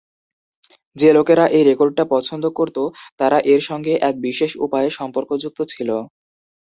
যে-লোকেরা এই রেকর্ডটা পছন্দ করত, তারা এর সঙ্গে এক বিশেষ উপায়ে সম্পর্কযুক্ত ছিল।